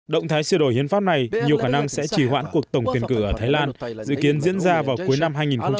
động thái sửa đổi hiến pháp này nhiều khả năng sẽ trì hoãn cuộc tổng tiền cử ở thái lan dự kiến diễn ra vào cuối năm hai nghìn một mươi bảy